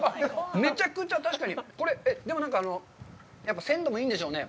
めちゃくちゃ、確かに、これ、えっ、でも、鮮度もいいんでしょうね。